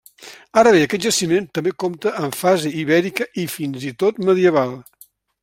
Ara bé, aquest jaciment també compta amb fase ibèrica i fins i tot medieval.